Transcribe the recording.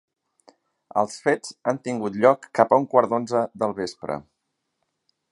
Els fets han tingut lloc cap a un quart d'onze del vespre.